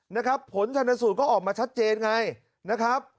นะครับผลชนสูตรก็ออกมาชัดเจนไงนะครับ